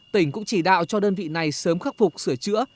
tỉnh cũng chỉ đạo cho đơn vị này sớm khắc phục sửa chữa